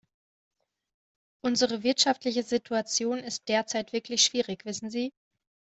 Unsere wirtschaftliche Situation ist derzeit wirklich schwierig, wissen Sie.